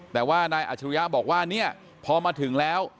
แต่ว่านายอัชริยาบอกว่าพอมาถึงแล้ว